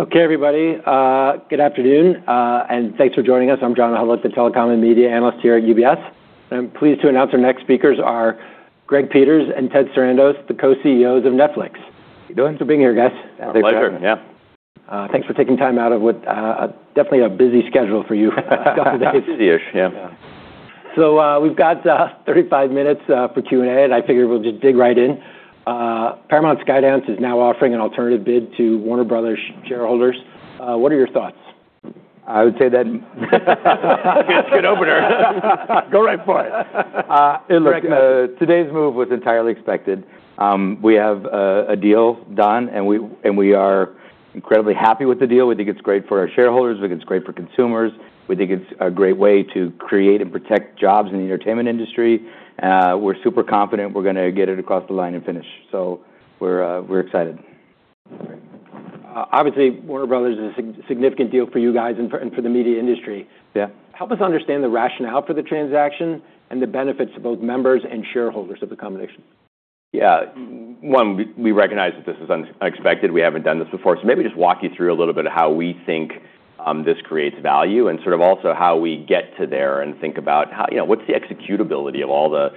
Okay, everybody. Good afternoon, and thanks for joining us. I'm John Hodulik, the telecom and media analyst here at UBS. I'm pleased to announce our next speakers are Greg Peters and Ted Sarandos, the co-CEOs of Netflix. Good to be here, guys. Pleasure, yeah. Thanks for taking time out of what's definitely a busy schedule for you throughout the day. Busy-ish, yeah. So we've got 35 minutes for Q&A, and I figured we'll just dig right in. Paramount Skydance is now offering an alternative bid to Warner Bros. shareholders. What are your thoughts? I would say that. Good opener. Go right for it. It looks good. Today's move was entirely expected. We have a deal done, and we are incredibly happy with the deal. We think it's great for our shareholders. We think it's great for consumers. We think it's a great way to create and protect jobs in the entertainment industry. We're super confident we're going to get it across the line and finish. So we're excited. Obviously, Warner Bros. is a significant deal for you guys and for the media industry. Yeah. Help us understand the rationale for the transaction and the benefits to both members and shareholders of the combination? Yeah. One, we recognize that this is unexpected. We haven't done this before. So maybe just walk you through a little bit of how we think this creates value and sort of also how we get to there and think about what's the executability of all the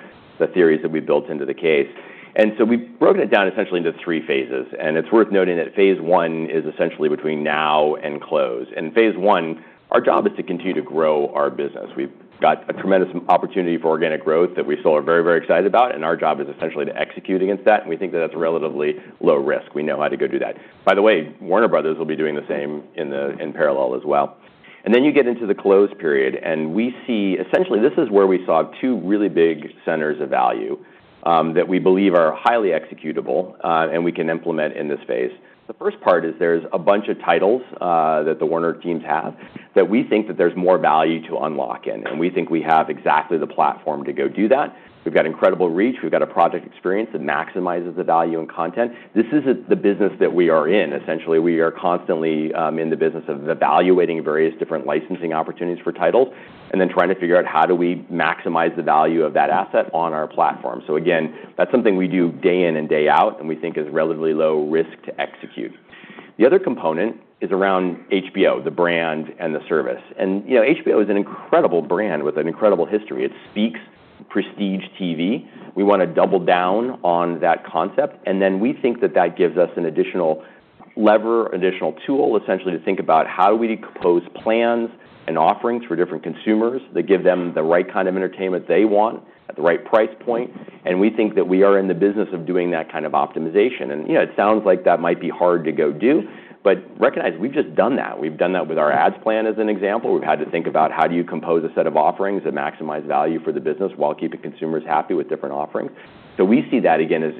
theories that we've built into the case, and so we've broken it down essentially into three phases, and it's worth noting that phase one is essentially between now and close. In phase one, our job is to continue to grow our business. We've got a tremendous opportunity for organic growth that we still are very, very excited about, and our job is essentially to execute against that, and we think that that's relatively low risk. We know how to go do that. By the way, Warner Bros. will be doing the same in parallel as well. Then you get into the close period. We see essentially this is where we saw two really big centers of value that we believe are highly executable and we can implement in this phase. The first part is there's a bunch of titles that the Warner teams have that we think that there's more value to unlock in. We think we have exactly the platform to go do that. We've got incredible reach. We've got a proven experience that maximizes the value and content. This isn't the business that we are in. Essentially, we are constantly in the business of evaluating various different licensing opportunities for titles and then trying to figure out how do we maximize the value of that asset on our platform. Again, that's something we do day in and day out and we think is relatively low risk to execute. The other component is around HBO, the brand and the service, and HBO is an incredible brand with an incredible history. It speaks prestige TV. We want to double down on that concept, and then we think that that gives us an additional lever, additional tool essentially to think about how do we propose plans and offerings for different consumers that give them the right kind of entertainment they want at the right price point, and we think that we are in the business of doing that kind of optimization. And it sounds like that might be hard to go do, but recognize we've just done that. We've done that with our ads plan as an example. We've had to think about how do you compose a set of offerings that maximize value for the business while keeping consumers happy with different offerings. So we see that again as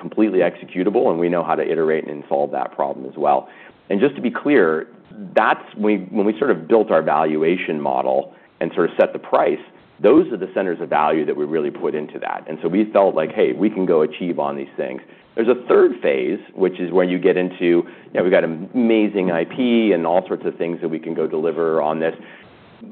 completely executable. And we know how to iterate and solve that problem as well. And just to be clear, when we sort of built our valuation model and sort of set the price, those are the centers of value that we really put into that. And so we felt like, hey, we can go achieve on these things. There's a third phase, which is where you get into, yeah, we've got an amazing IP and all sorts of things that we can go deliver on this.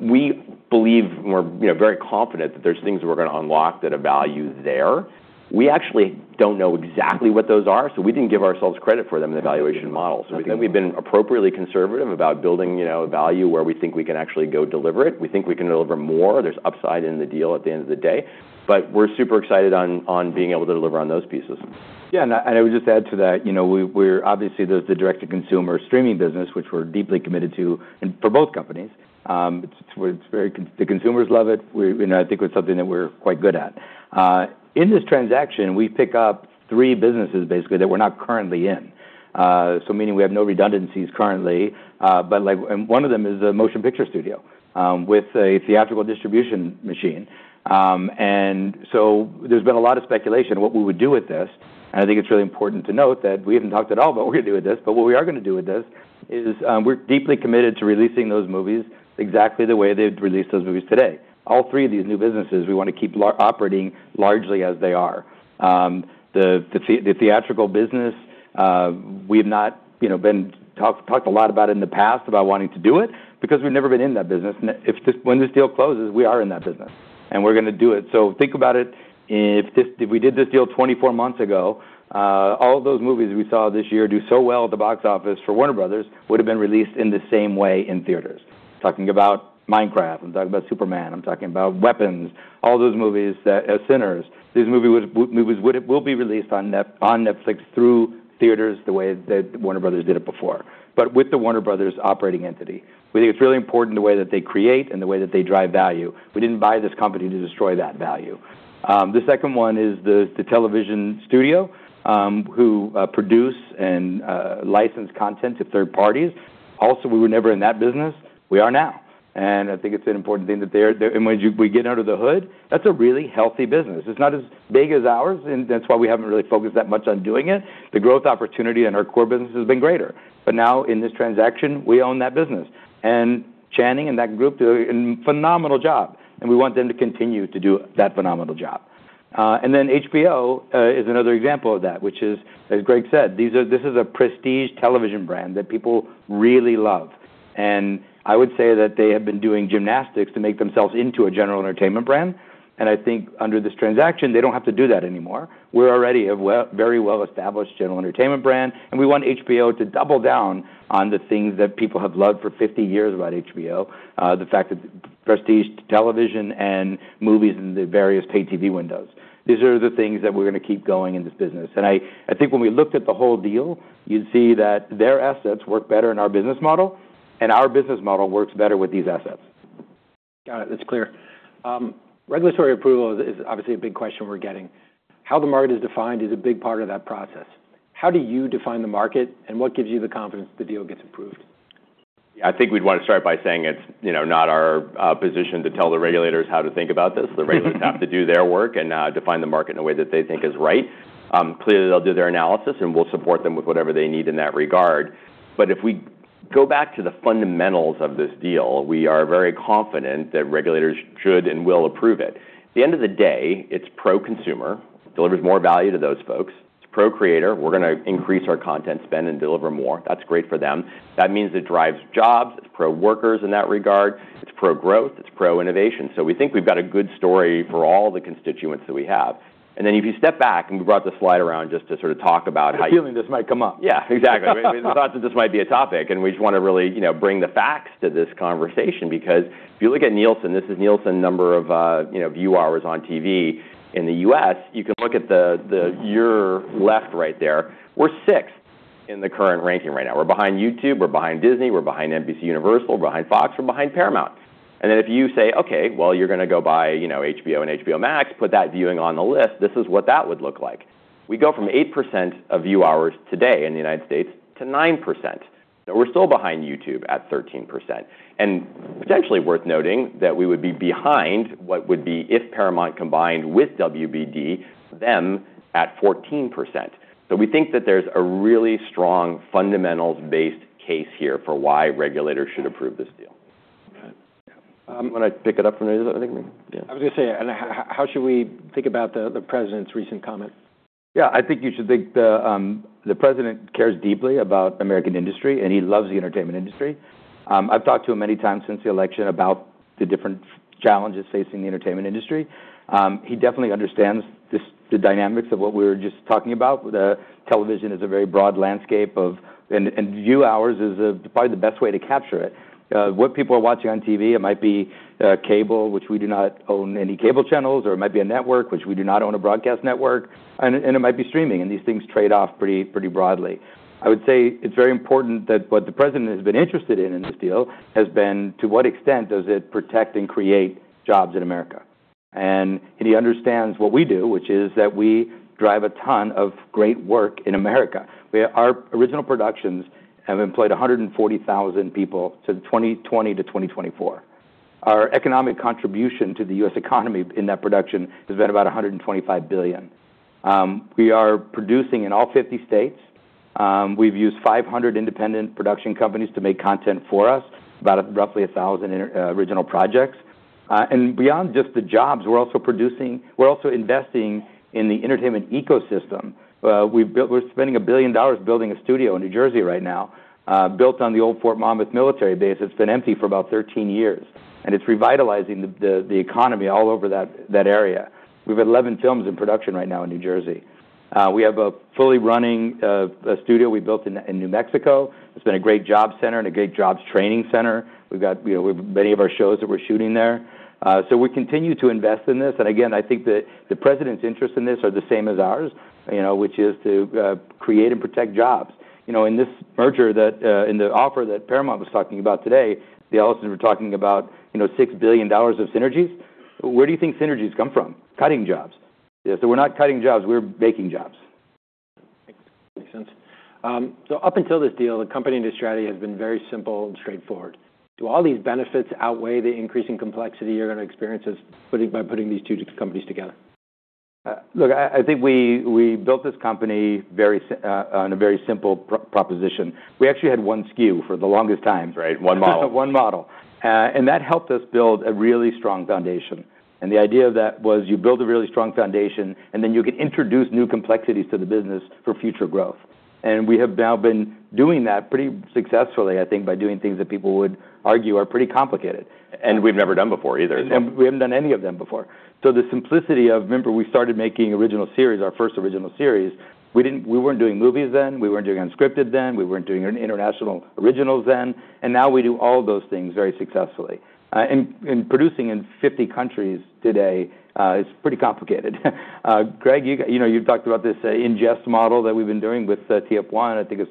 We believe we're very confident that there's things we're going to unlock that have value there. We actually don't know exactly what those are. So we didn't give ourselves credit for them in the valuation model. So we think we've been appropriately conservative about building value where we think we can actually go deliver it. We think we can deliver more. There's upside in the deal at the end of the day. But we're super excited on being able to deliver on those pieces. Yeah. And I would just add to that, obviously, there's the direct-to-consumer streaming business, which we're deeply committed to for both companies. The consumers love it. I think it's something that we're quite good at. In this transaction, we pick up three businesses basically that we're not currently in. So meaning we have no redundancies currently. But one of them is the motion picture studio with a theatrical distribution machine. And so there's been a lot of speculation on what we would do with this. And I think it's really important to note that we haven't talked at all about what we're going to do with this. But what we are going to do with this is we're deeply committed to releasing those movies exactly the way they'd release those movies today. All three of these new businesses, we want to keep operating largely as they are. The theatrical business, we've not talked a lot about it in the past about wanting to do it because we've never been in that business. If when this deal closes, we are in that business. And we're going to do it. So think about it. If we did this deal 24 months ago, all of those movies we saw this year do so well at the box office for Warner Bros. would have been released in the same way in theaters. I'm talking about Minecraft. I'm talking about Superman. I'm talking about Weapons. All those movies that are winners. These movies will be released on Netflix through theaters the way that Warner Bros. did it before, but with the Warner Bros. operating entity. We think it's really important the way that they create and the way that they drive value. We didn't buy this company to destroy that value. The second one is the television studio who produce and license content to third parties. Also, we were never in that business. We are now. And I think it's an important thing that we get under the hood. That's a really healthy business. It's not as big as ours. And that's why we haven't really focused that much on doing it. The growth opportunity in our core business has been greater. But now in this transaction, we own that business. And Channing and that group do a phenomenal job. And we want them to continue to do that phenomenal job. And then HBO is another example of that, which is, as Greg said, this is a prestige television brand that people really love. And I would say that they have been doing gymnastics to make themselves into a general entertainment brand. I think under this transaction, they don't have to do that anymore. We're already a very well-established general entertainment brand. And we want HBO to double down on the things that people have loved for 50 years about HBO, the fact that prestige television and movies in the various pay-TV windows. These are the things that we're going to keep going in this business. And I think when we looked at the whole deal, you'd see that their assets work better in our business model. And our business model works better with these assets. Got it. That's clear. Regulatory approval is obviously a big question we're getting. How the market is defined is a big part of that process. How do you define the market? And what gives you the confidence the deal gets approved? Yeah. I think we'd want to start by saying it's not our position to tell the regulators how to think about this. The regulators have to do their work and define the market in a way that they think is right. Clearly, they'll do their analysis. And we'll support them with whatever they need in that regard. But if we go back to the fundamentals of this deal, we are very confident that regulators should and will approve it. At the end of the day, it's pro-consumer, delivers more value to those folks. It's pro-creator. We're going to increase our content spend and deliver more. That's great for them. That means it drives jobs. It's pro-workers in that regard. It's pro-growth. It's pro-innovation. So we think we've got a good story for all the constituents that we have. And then if you step back, and we brought the slide around just to sort of talk about. I'm feeling this might come up. Yeah, exactly. We thought that this might be a topic. We just want to really bring the facts to this conversation because if you look at Nielsen, this is Nielsen number of view hours on TV in the U.S. You can look at your left right there. We're sixth in the current ranking right now. We're behind YouTube. We're behind Disney. We're behind NBCUniversal. We're behind Fox. We're behind Paramount. And then if you say, "Okay, well, you're going to go buy HBO and HBO Max, put that viewing on the list," this is what that would look like. We go from 8% of view hours today in the United States to 9%. We're still behind YouTube at 13%. And potentially worth noting that we would be behind what would be if Paramount combined with WBD, them at 14%. We think that there's a really strong fundamentals-based case here for why regulators should approve this deal. Okay. I'm going to pick it up from there. I was going to say, how should we think about the president's recent comment? Yeah. I think you should think the President cares deeply about American industry, and he loves the entertainment industry. I've talked to him many times since the election about the different challenges facing the entertainment industry. He definitely understands the dynamics of what we were just talking about. Television is a very broad landscape of, and view hours is probably the best way to capture it. What people are watching on TV, it might be cable, which we do not own any cable channels, or it might be a network, which we do not own a broadcast network, and it might be streaming, and these things trade off pretty broadly. I would say it's very important that what the President has been interested in in this deal has been to what extent does it protect and create jobs in America. He understands what we do, which is that we drive a ton of great work in America. Our original productions have employed 140,000 people since 2020-2024. Our economic contribution to the U.S. economy in that production has been about $125 billion. We are producing in all 50 states. We've used 500 independent production companies to make content for us, about roughly 1,000 original projects. Beyond just the jobs, we're also investing in the entertainment ecosystem. We're spending $1 billion building a studio in New Jersey right now built on the old Fort Monmouth military base that's been empty for about 13 years. It's revitalizing the economy all over that area. We have 11 films in production right now in New Jersey. We have a fully running studio we built in New Mexico. It's been a great job center and a great jobs training center. We've got many of our shows that we're shooting there. So we continue to invest in this. And again, I think that the president's interests in this are the same as ours, which is to create and protect jobs. In this merger that in the offer that Paramount was talking about today, the Ellisons were talking about $6 billion of synergies. Where do you think synergies come from? Cutting jobs. So we're not cutting jobs. We're making jobs. Makes sense. So up until this deal, the company and its strategy has been very simple and straightforward. Do all these benefits outweigh the increasing complexity you're going to experience by putting these two companies together? Look, I think we built this company on a very simple proposition. We actually had one SKU for the longest time. Right. One model. One model. And that helped us build a really strong foundation. And the idea of that was you build a really strong foundation. And then you can introduce new complexities to the business for future growth. And we have now been doing that pretty successfully, I think, by doing things that people would argue are pretty complicated. We've never done before either. We haven't done any of them before, so the simplicity of, remember, we started making original series, our first original series. We weren't doing movies then. We weren't doing unscripted then. We weren't doing international originals then, and now we do all those things very successfully, and producing in 50 countries today is pretty complicated. Greg, you've talked about this ingest model that we've been doing with TF1. I think it's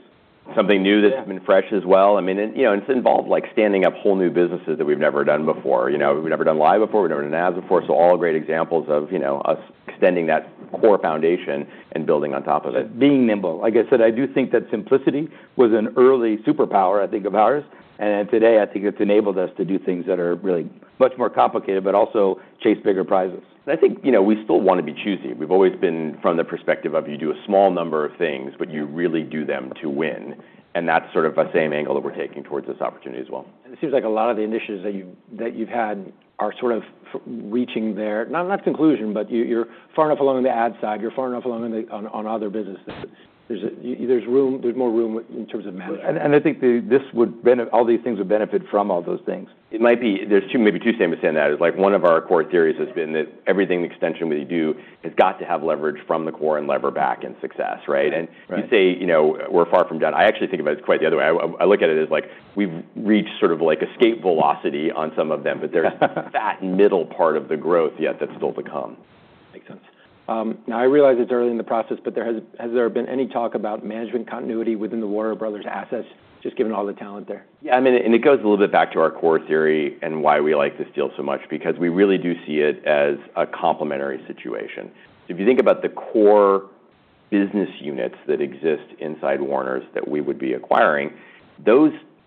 something new that's been fresh as well. I mean, it's involved standing up whole new businesses that we've never done before. We've never done live before. We've never done ads before, so all great examples of us extending that core foundation and building on top of it. Being nimble. Like I said, I do think that simplicity was an early superpower, I think, of ours. And today, I think it's enabled us to do things that are really much more complicated, but also chase bigger prizes. I think we still want to be choosy. We've always been from the perspective of you do a small number of things, but you really do them to win. And that's sort of the same angle that we're taking towards this opportunity as well. It seems like a lot of the initiatives that you've had are sort of reaching their, not conclusion, but you're far enough along the ad side. You're far enough along on other businesses. There's more room in terms of management. I think all these things would benefit from all those things. There may be two statements saying that. One of our core theories has been that everything extension we do has got to have leverage from the core and lever back in success, right? And you say we're far from done. I actually think of it quite the other way. I look at it as we've reached sort of escape velocity on some of them. But there's that middle part of the growth yet that's still to come. Makes sense. Now, I realize it's early in the process, but has there been any talk about management continuity within the Warner Bros. assets, just given all the talent there? Yeah. I mean, and it goes a little bit back to our core theory and why we like this deal so much because we really do see it as a complementary situation. If you think about the core business units that exist inside Warners that we would be acquiring,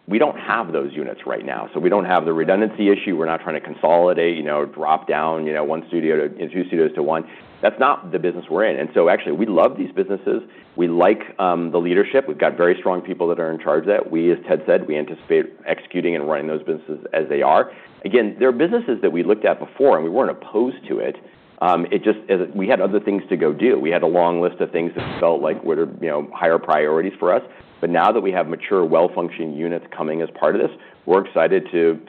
we don't have those units right now. So we don't have the redundancy issue. We're not trying to consolidate, drop down one studio to two studios to one. That's not the business we're in. And so actually, we love these businesses. We like the leadership. We've got very strong people that are in charge of that. We, as Ted said, we anticipate executing and running those businesses as they are. Again, there are businesses that we looked at before. And we weren't opposed to it. We had other things to go do. We had a long list of things that felt like were higher priorities for us. But now that we have mature, well-functioning units coming as part of this, we're excited to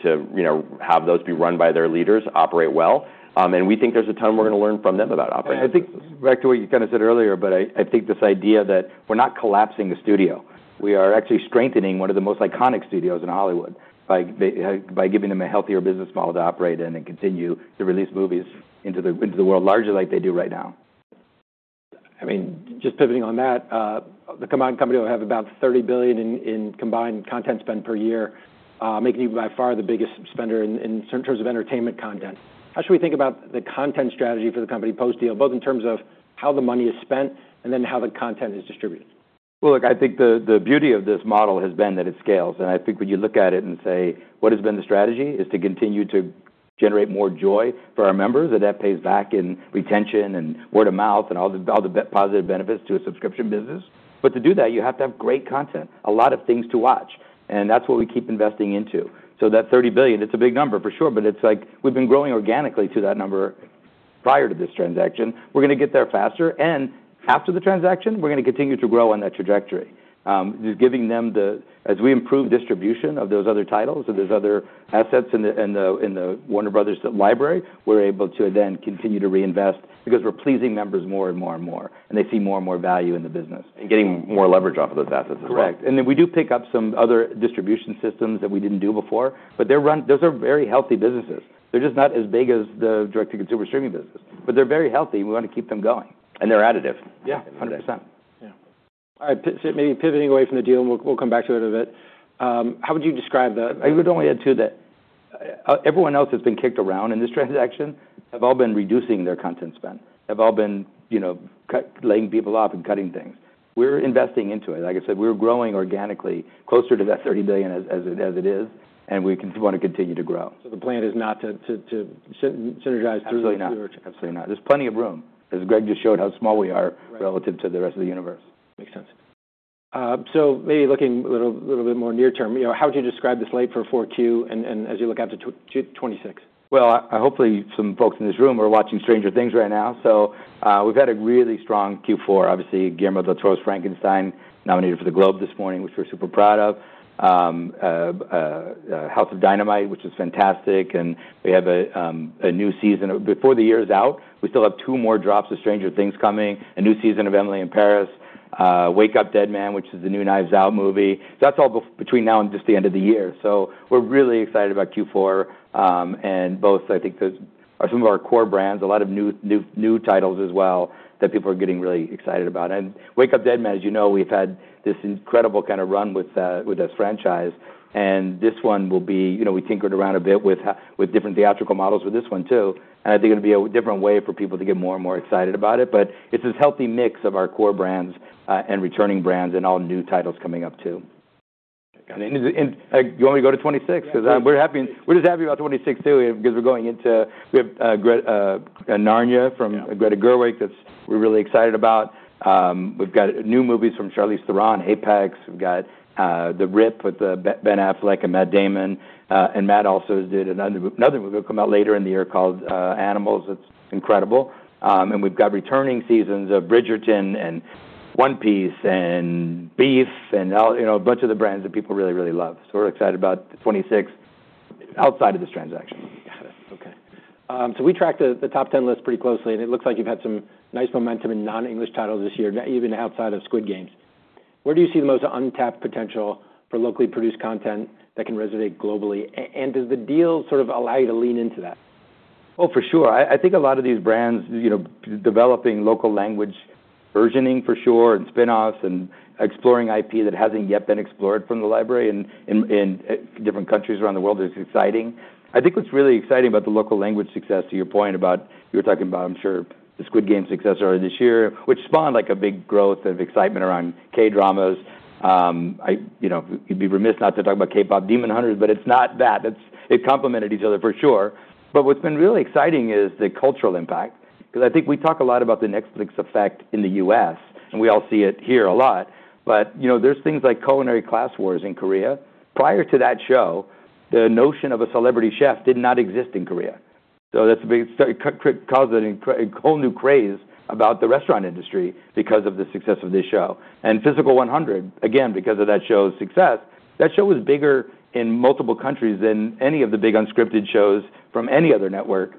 have those be run by their leaders, operate well. And we think there's a ton we're going to learn from them about operating them. I think back to what you kind of said earlier, but I think this idea that we're not collapsing the studio. We are actually strengthening one of the most iconic studios in Hollywood by giving them a healthier business model to operate in and continue to release movies into the world larger like they do right now. I mean. Just pivoting on that, the combined company will have about $30 billion in combined content spend per year, making you by far the biggest spender in terms of entertainment content. How should we think about the content strategy for the company post-deal, both in terms of how the money is spent and then how the content is distributed? Well, look, I think the beauty of this model has been that it scales. And I think when you look at it and say, what has been the strategy is to continue to generate more joy for our members, that that pays back in retention and word of mouth and all the positive benefits to a subscription business. But to do that, you have to have great content, a lot of things to watch. And that's what we keep investing into. So that $30 billion, it's a big number for sure. But it's like we've been growing organically to that number prior to this transaction. We're going to get there faster. After the transaction, we're going to continue to grow on that trajectory, giving them the, as we improve distribution of those other titles and those other assets in the Warner Bros. library, we're able to then continue to reinvest because we're pleasing members more and more and more. They see more and more value in the business. Getting more leverage off of those assets as well. Correct. And then we do pick up some other distribution systems that we didn't do before. But those are very healthy businesses. They're just not as big as the direct-to-consumer streaming business. But they're very healthy. And we want to keep them going. They're additive. Yeah. 100%. Yeah. All right. Maybe pivoting away from the deal, and we'll come back to it a bit. How would you describe the. I would only add to that everyone else has been kicked around in this transaction have all been reducing their content spend, have all been laying people off and cutting things. We're investing into it. Like I said, we're growing organically closer to that $30 billion as it is, and we want to continue to grow. The plan is not to synergize through. Absolutely not. Absolutely not. There's plenty of room, as Greg just showed how small we are relative to the rest of the universe. Makes sense. So maybe looking a little bit more near term, how would you describe the slate for 4Q and as you look out to 2026? Well, hopefully, some folks in this room are watching Stranger Things right now. So we've had a really strong Q4, obviously Guillermo del Toro's Frankenstein nominated for the Globe this morning, which we're super proud of. A HOUSE OF DYNAMITE, which is fantastic. And we have a new season. Before the year is out, we still have two more drops of Stranger Things coming, a new season of Emily in Paris, Wake Up Dead Man, which is the new Knives Out movie. That's all between now and just the end of the year. So we're really excited about Q4. And both, I think, are some of our core brands, a lot of new titles as well that people are getting really excited about. And Wake Up Dead Man, as you know, we've had this incredible kind of run with this franchise. And this one will be. We tinkered around a bit with different theatrical models with this one too. And I think it'll be a different way for people to get more and more excited about it. But it's this healthy mix of our core brands and returning brands and all new titles coming up too. And do you want me to go to 26? Because we're just happy about 26 too because we're going into. We have Narnia from Greta Gerwig that we're really excited about. We've got new movies from Charlize Theron, Apex. We've got The Rip with Ben Affleck and Matt Damon. And Matt also did another movie that'll come out later in the year called Animals. It's incredible. And we've got returning seasons of Bridgerton and One Piece and Beef and a bunch of the brands that people really, really love. We're excited about 26 outside of this transaction. Got it. Okay. So we track the top 10 list pretty closely. And it looks like you've had some nice momentum in non-English titles this year, even outside of Squid Game. Where do you see the most untapped potential for locally produced content that can resonate globally? And does the deal sort of allow you to lean into that? Oh, for sure. I think a lot of these brands developing local language versioning for sure and spinoffs and exploring IP that hasn't yet been explored from the library in different countries around the world is exciting. I think what's really exciting about the local language success, to your point about you were talking about, I'm sure, the Squid Game success earlier this year, which spawned a big growth of excitement around K-dramas. You'd be remiss not to talk about KPop Demon Hunters, but it's not that. It complemented each other for sure, but what's been really exciting is the cultural impact. Because I think we talk a lot about the Netflix effect in the U.S., and we all see it here a lot, but there's things like Culinary Class Wars in Korea. Prior to that show, the notion of a celebrity chef did not exist in Korea. So that's a big cause of a whole new craze about the restaurant industry because of the success of this show. And Physical: 100, again, because of that show's success, that show was bigger in multiple countries than any of the big unscripted shows from any other network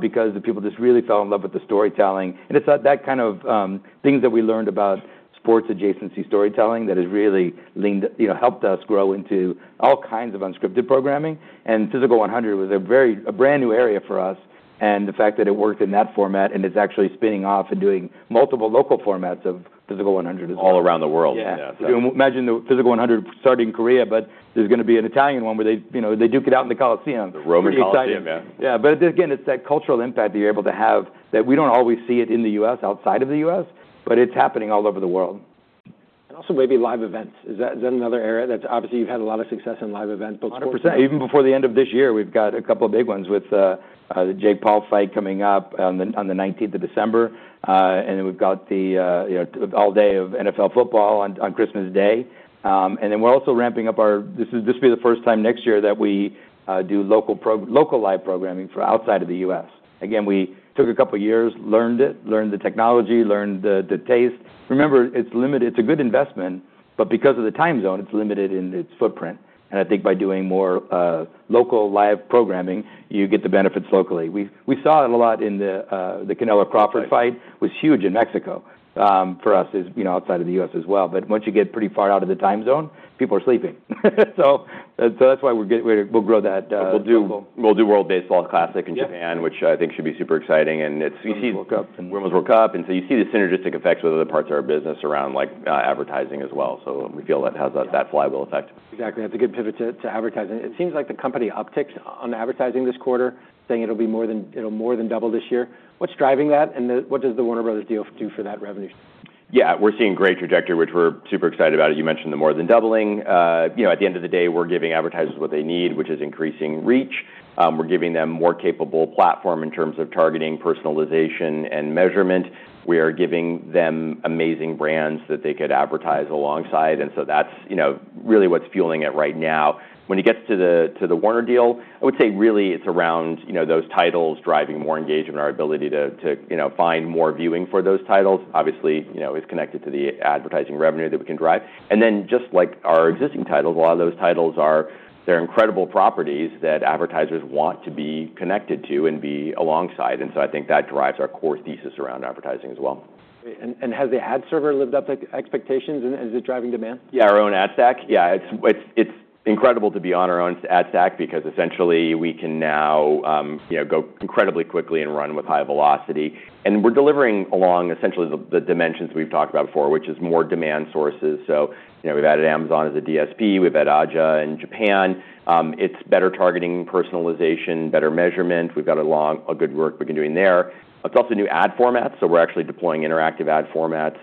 because the people just really fell in love with the storytelling. And it's that kind of things that we learned about sports adjacency storytelling that has really helped us grow into all kinds of unscripted programming. And Physical: 100 was a brand new area for us. And the fact that it worked in that format and it's actually spinning off and doing multiple local formats of Physical: 100 as well. All around the world. Yeah. Imagine the Physical: 100 starting in Korea, but there's going to be an Italian one where they duke it out in the Colosseum. The Roman Colosseum, yeah. Yeah. But again, it's that cultural impact that you're able to have that we don't always see it in the U.S., outside of the U.S. But it's happening all over the world. And also maybe live events. Is that another area that's obviously you've had a lot of success in live events before? 100%. Even before the end of this year, we've got a couple of big ones with the Jake Paul fight coming up on the 19th of December. And then we've got the all day of NFL football on Christmas Day. And then we're also ramping up. This will be the first time next year that we do local live programming for outside of the U.S. Again, we took a couple of years, learned it, learned the technology, learned the taste. Remember, it's a good investment. But because of the time zone, it's limited in its footprint. And I think by doing more local live programming, you get the benefits locally. We saw it a lot in the Canelo Crawford fight. It was huge in Mexico for us outside of the U.S. as well. But once you get pretty far out of the time zone, people are sleeping. So that's why we'll grow that. We'll do World Baseball Classic in Japan, which I think should be super exciting, and it's. Women's World Cup. Women's World Cup. You see the synergistic effects with other parts of our business around advertising as well. We feel that has that flywheel effect. Exactly. That's a good pivot to advertising. It seems like the company upticks on advertising this quarter, saying it'll more than double this year. What's driving that? And what does the Warner Bros. deal do for that revenue? Yeah. We're seeing great trajectory, which we're super excited about. You mentioned the more than doubling. At the end of the day, we're giving advertisers what they need, which is increasing reach. We're giving them a more capable platform in terms of targeting, personalization, and measurement. We are giving them amazing brands that they could advertise alongside. And so that's really what's fueling it right now. When it gets to the Warner deal, I would say really it's around those titles driving more engagement, our ability to find more viewing for those titles. Obviously, it's connected to the advertising revenue that we can drive. And then just like our existing titles, a lot of those titles, they're incredible properties that advertisers want to be connected to and be alongside. And so I think that drives our core thesis around advertising as well. Has the ad server lived up to expectations? Is it driving demand? Yeah, our own ad stack. Yeah. It's incredible to be on our own ad stack because essentially we can now go incredibly quickly and run with high velocity. And we're delivering along essentially the dimensions we've talked about before, which is more demand sources. So we've added Amazon as a DSP. We've added AJA in Japan. It's better targeting, personalization, better measurement. We've got a good work we've been doing there. It's also new ad formats. So we're actually deploying interactive ad formats.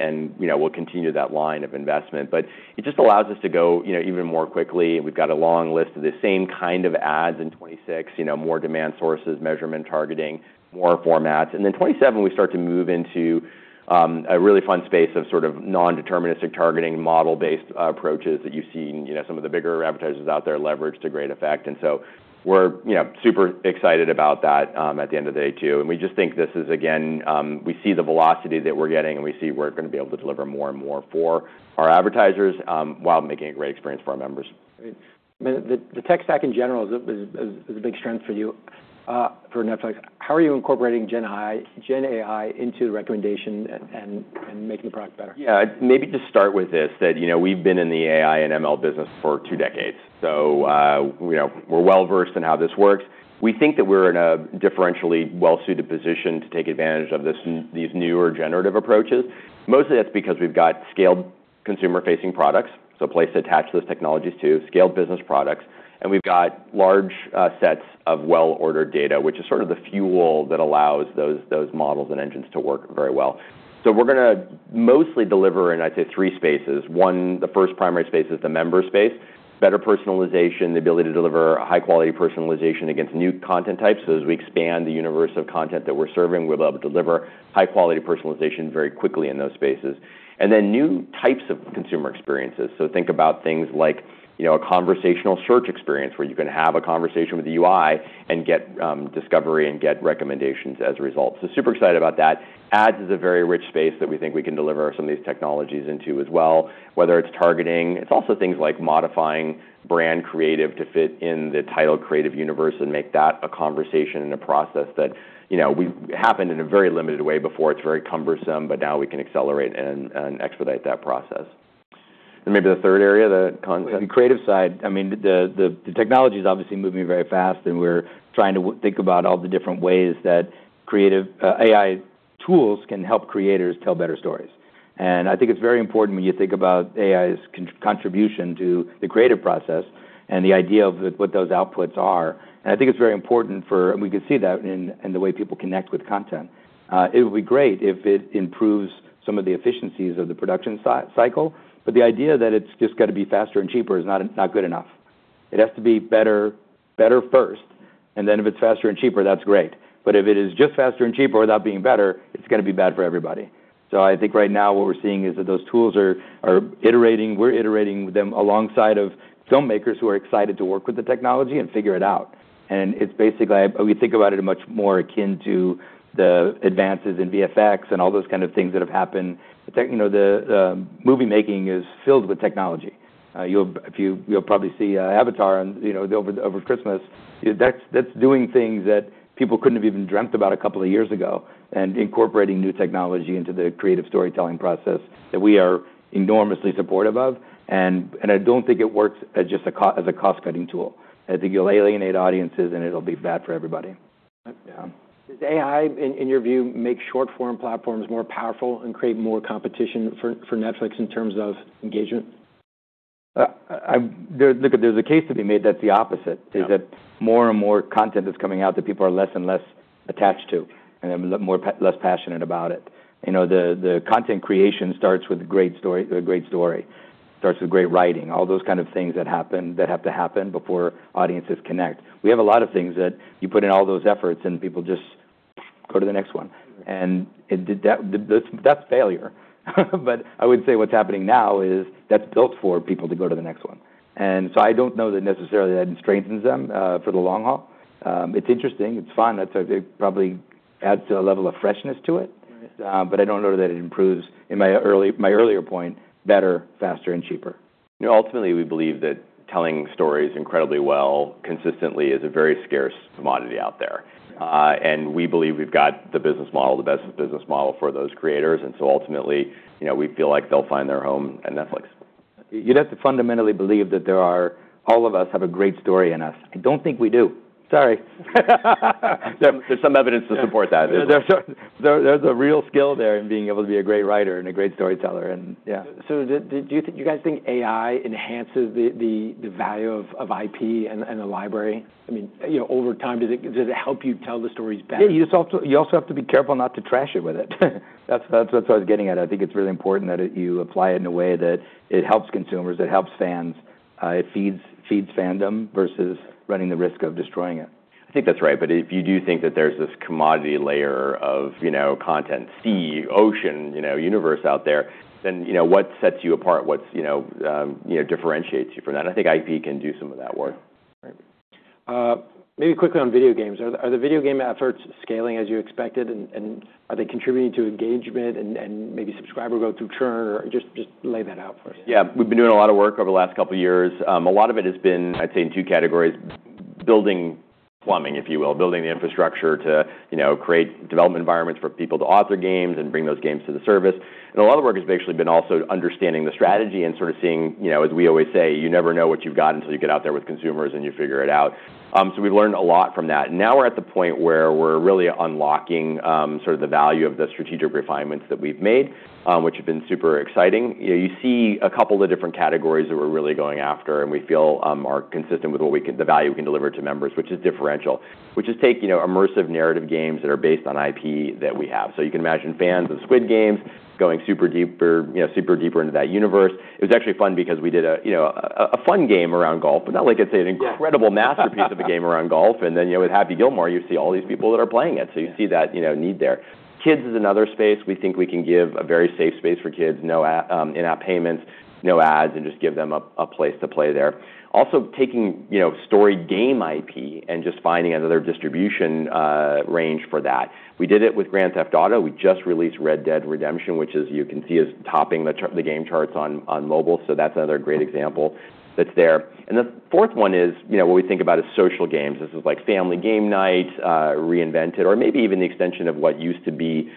And we'll continue that line of investment. But it just allows us to go even more quickly. And we've got a long list of the same kind of ads in 2026, more demand sources, measurement, targeting, more formats. And then 2027, we start to move into a really fun space of sort of non-deterministic targeting model-based approaches that you've seen some of the bigger advertisers out there leverage to great effect. And so we're super excited about that at the end of the day too. And we just think this is, again, we see the velocity that we're getting. And we see we're going to be able to deliver more and more for our advertisers while making it a great experience for our members. The tech stack in general is a big strength for you for Netflix. How are you incorporating Gen AI into the recommendation and making the product better? Yeah. Maybe just start with this, that we've been in the AI and ML business for two decades. So we're well versed in how this works. We think that we're in a differentially well-suited position to take advantage of these newer generative approaches. Mostly that's because we've got scaled consumer-facing products, so a place to attach those technologies to, scaled business products. And we've got large sets of well-ordered data, which is sort of the fuel that allows those models and engines to work very well. So we're going to mostly deliver in, I'd say, three spaces. One, the first primary space is the member space, better personalization, the ability to deliver high-quality personalization against new content types. So as we expand the universe of content that we're serving, we'll be able to deliver high-quality personalization very quickly in those spaces. And then new types of consumer experiences. So think about things like a conversational search experience where you can have a conversation with the UI and get discovery and get recommendations as a result. So super excited about that. Ads is a very rich space that we think we can deliver some of these technologies into as well, whether it's targeting. It's also things like modifying brand creative to fit in the title creative universe and make that a conversation and a process that happened in a very limited way before. It's very cumbersome. But now we can accelerate and expedite that process. And maybe the third area, the. Creative side. I mean, the technology is obviously moving very fast. And we're trying to think about all the different ways that creative AI tools can help creators tell better stories. And I think it's very important when you think about AI's contribution to the creative process and the idea of what those outputs are. And I think it's very important for, and we can see that in the way people connect with content. It would be great if it improves some of the efficiencies of the production cycle. But the idea that it's just got to be faster and cheaper is not good enough. It has to be better first. And then if it's faster and cheaper, that's great. But if it is just faster and cheaper without being better, it's going to be bad for everybody. So, I think right now what we're seeing is that those tools are iterating. We're iterating with them alongside of filmmakers who are excited to work with the technology and figure it out. And it's basically, we think about it much more akin to the advances in VFX and all those kind of things that have happened. The movie making is filled with technology. You'll probably see Avatar over Christmas. That's doing things that people couldn't have even dreamt about a couple of years ago and incorporating new technology into the creative storytelling process that we are enormously supportive of. And I don't think it works as a cost-cutting tool. I think you'll alienate audiences. And it'll be bad for everybody. Yeah. Does AI, in your view, make short-form platforms more powerful and create more competition for Netflix in terms of engagement? Look, there's a case to be made that's the opposite, is that more and more content is coming out that people are less and less attached to and less passionate about. The content creation starts with a great story, starts with great writing, all those kind of things that have to happen before audiences connect. We have a lot of things that you put in all those efforts. And people just go to the next one. And that's failure. But I would say what's happening now is that's built for people to go to the next one. And so I don't know that necessarily that it strengthens them for the long haul. It's interesting. It's fun. That probably adds to a level of freshness to it. But I don't know that it improves, in my earlier point, better, faster, and cheaper. Ultimately, we believe that telling stories incredibly well, consistently, is a very scarce commodity out there. And we believe we've got the business model, the best business model for those creators. And so ultimately, we feel like they'll find their home at Netflix. You'd have to fundamentally believe that all of us have a great story in us. I don't think we do. Sorry. There's some evidence to support that. There's a real skill there in being able to be a great writer and a great storyteller, and yeah. So do you guys think AI enhances the value of IP and the library? I mean, over time, does it help you tell the stories better? Yeah. You also have to be careful not to trash it with it. That's what I was getting at. I think it's really important that you apply it in a way that it helps consumers, it helps fans. It feeds fandom versus running the risk of destroying it. I think that's right. But if you do think that there's this commodity layer of content, sea, ocean, universe out there, then what sets you apart? What differentiates you from that? And I think IP can do some of that work. Maybe quickly on video games. Are the video game efforts scaling as you expected? And are they contributing to engagement and maybe subscriber growth to churn? Just lay that out for us. Yeah. We've been doing a lot of work over the last couple of years. A lot of it has been, I'd say, in two categories: building plumbing, if you will, building the infrastructure to create development environments for people to author games and bring those games to the service. And a lot of work has actually been also understanding the strategy and sort of seeing, as we always say, you never know what you've got until you get out there with consumers and you figure it out. So we've learned a lot from that. Now we're at the point where we're really unlocking sort of the value of the strategic refinements that we've made, which have been super exciting. You see a couple of different categories that we're really going after. We feel are consistent with the value we can deliver to members, which is differential, which is taking immersive narrative games that are based on IP that we have. So you can imagine fans of Squid Game going super deeper into that universe. It was actually fun because we did a fun game around golf, but not like I'd say an incredible masterpiece of a game around golf. And then with Happy Gilmore, you see all these people that are playing it. So you see that need there. Kids is another space. We think we can give a very safe space for kids, no in-app payments, no ads, and just give them a place to play there. Also taking story game IP and just finding another distribution range for that. We did it with Grand Theft Auto. We just released Red Dead Redemption, which, as you can see, is topping the game charts on mobile. So that's another great example that's there. And the fourth one is what we think about as social games. This is like Family Game Night, Reinvented, or maybe even the extension of what used to be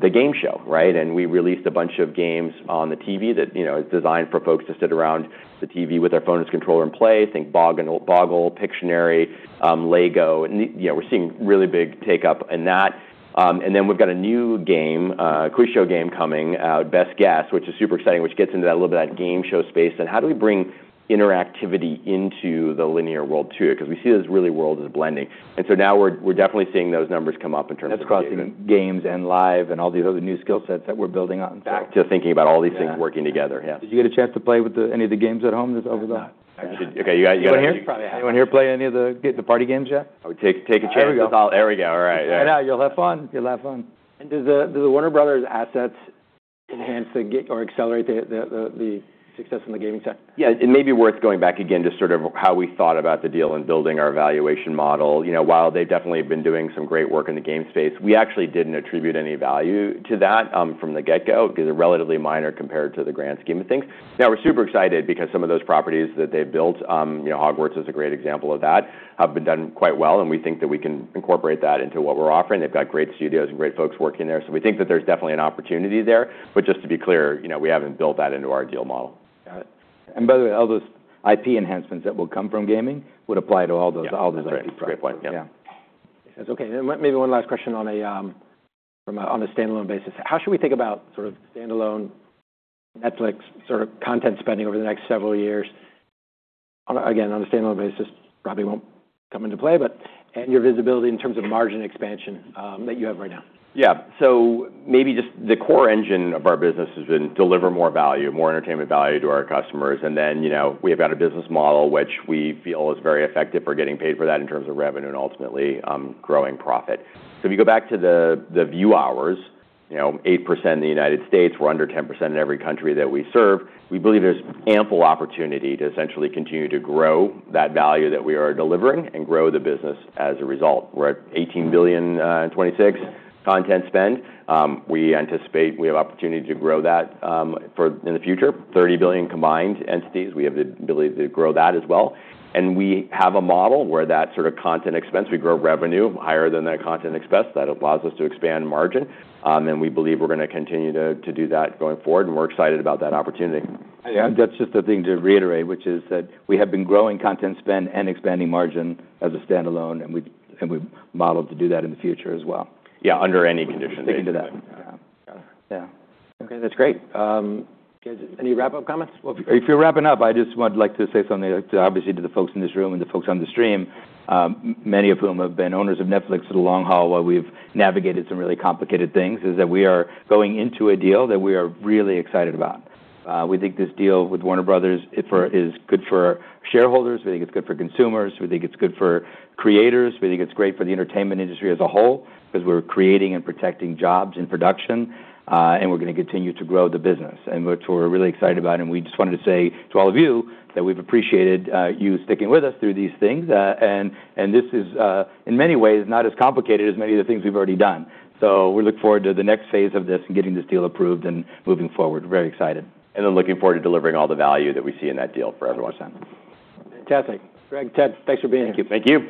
the game show, right? And we released a bunch of games on the TV that is designed for folks to sit around the TV with their phone as controller and play, think Boggle, Pictionary, LEGO. We're seeing really big take-up in that. And then we've got a new game, a quiz show game coming out, Best Guess, which is super exciting, which gets into that little bit of that game show space. And how do we bring interactivity into the linear world too? Because we see this real world is blending. Now we're definitely seeing those numbers come up in terms of. That's crossing games and live and all these other new skill sets that we're building on. Back to thinking about all these things working together. Yeah. Did you get a chance to play with any of the games at home that's over the? Oh, yeah. OK, you got one here? You want to hear? Play any of the party games yet? Take a chance. There we go. There we go. All right. Right now, you'll have fun. You'll have fun. Do the Warner Bros. assets enhance or accelerate the success in the gaming sector? Yeah. It may be worth going back again to sort of how we thought about the deal and building our valuation model. While they've definitely been doing some great work in the game space, we actually didn't attribute any value to that from the get-go because they're relatively minor compared to the grand scheme of things. Now we're super excited because some of those properties that they've built, Hogwarts is a great example of that, have been done quite well. And we think that we can incorporate that into what we're offering. They've got great studios and great folks working there. So we think that there's definitely an opportunity there. But just to be clear, we haven't built that into our deal model. Got it. And by the way, all those IP enhancements that will come from gaming would apply to all those IP projects. That's a great point. Yeah. OK, maybe one last question on a standalone basis. How should we think about sort of standalone Netflix sort of content spending over the next several years? Again, on a standalone basis, probably won't come into play. But your visibility in terms of margin expansion that you have right now? Yeah. So maybe just the core engine of our business has been deliver more value, more entertainment value to our customers. And then we have got a business model which we feel is very effective for getting paid for that in terms of revenue and ultimately growing profit. So if you go back to the viewing hours, 8% in the United States. We're under 10% in every country that we serve. We believe there's ample opportunity to essentially continue to grow that value that we are delivering and grow the business as a result. We're at $18 billion in 2026 content spend. We anticipate we have opportunity to grow that in the future, $30 billion combined entities. We have the ability to grow that as well. We have a model where that sort of content expense, we grow revenue higher than that content expense that allows us to expand margin. We believe we're going to continue to do that going forward. We're excited about that opportunity. That's just the thing to reiterate, which is that we have been growing content spend and expanding margin as a standalone, and we've modeled to do that in the future as well. Yeah, under any conditions. Thinking of that. Yeah. OK, that's great. Any wrap-up comments? If you're wrapping up, I just would like to say something, obviously, to the folks in this room and the folks on the stream, many of whom have been owners of Netflix for the long haul while we've navigated some really complicated things. That is that we are going into a deal that we are really excited about. We think this deal with Warner Bros. is good for shareholders. We think it's good for consumers. We think it's good for creators. We think it's great for the entertainment industry as a whole because we're creating and protecting jobs in production. And we're going to continue to grow the business. And that's what we're really excited about. And we just wanted to say to all of you that we've appreciated you sticking with us through these things. This is, in many ways, not as complicated as many of the things we've already done. We look forward to the next phase of this and getting this deal approved and moving forward. Very excited. Looking forward to delivering all the value that we see in that deal for everyone's sake. Fantastic. Greg, Ted, thanks for being here. Thank you.